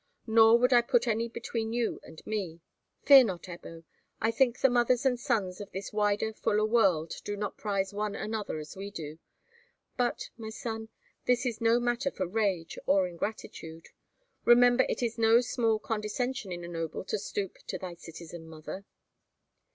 Nor would I put any between you and me. Fear me not, Ebbo. I think the mothers and sons of this wider, fuller world do not prize one another as we do. But, my son, this is no matter for rage or ingratitude. Remember it is no small condescension in a noble to stoop to thy citizen mother."